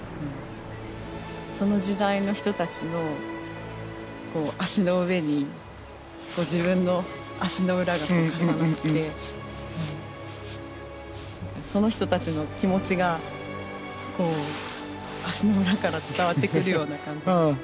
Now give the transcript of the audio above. その時代の人たちの足の上に自分の足の裏が重なってその人たちの気持ちが足の裏から伝わってくるような感じがして。